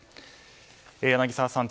柳澤さん。